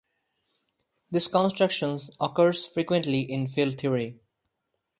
This construction occurs frequently in field theory.